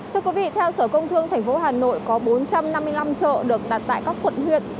thưa quý vị theo sở công thương tp hà nội có bốn trăm năm mươi năm chợ được đặt tại các quận huyện